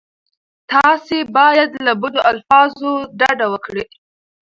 تاسې باید له بدو الفاظو ډډه وکړئ.